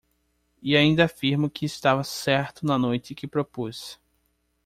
E ainda afirmo que estava certo na noite que propus.